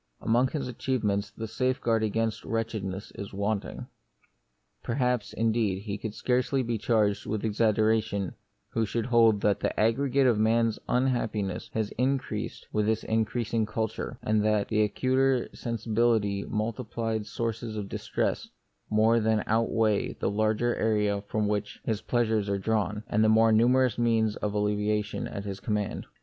Among his achievements the safeguard against wretchedness is wanting. Perhaps, indeed, he could scarcely be charged with exaggeration who should hold that the aggregate of man's unhappiness had increased with his increasing culture, and that the acuter sensibility and multiplied sources of distress more than out weigh the larger area from which his plea sures are drawn, and the more numerous means of alleviation at his command.